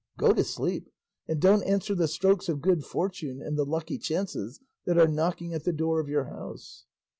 go to sleep, and don't answer the strokes of good fortune and the lucky chances that are knocking at the door of your house!"